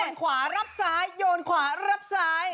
โยนขวารับสายโยนขวารับสาย